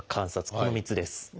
この３つです。